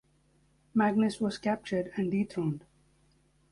Magnus was captured and dethroned.